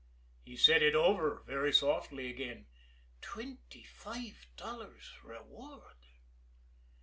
He said it over very softly again: "Twenty five dollars reward!"